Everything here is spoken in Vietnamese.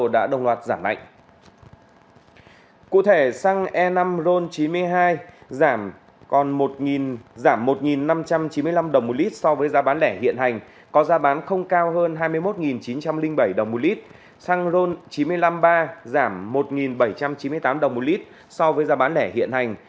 dầu mazut một trăm tám mươi cst ba năm s giảm một hai trăm một mươi bốn đồng một kg so với giá bán lẻ hiện hành